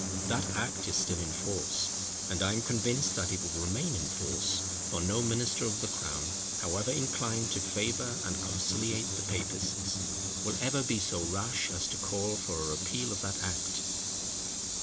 That act is still in force; and I am convinced that it will remain in force; for no minister of the crown, however inclined to favour and conciliate the Papists, will ever be so rash as to call for a repeal of that act.